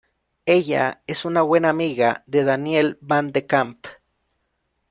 Ella es una buena amiga de Danielle Van de Kamp.